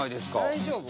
大丈夫？